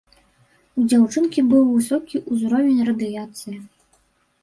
У дзяўчынкі быў высокі ўзровень радыяцыі.